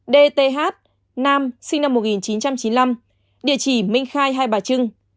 năm dth nữ sinh năm một nghìn chín trăm chín mươi năm địa chỉ minh khai hai bà trưng